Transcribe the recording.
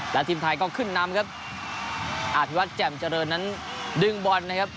และทีมไทยก็ขึ้นนำครับอธิวัตรแจ่มเจริญนั้นดึงบอลนะครับ